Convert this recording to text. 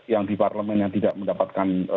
yang di parlemen yang tidak mendapatkan